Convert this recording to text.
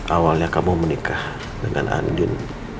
awalnya kamu menikah dengan andin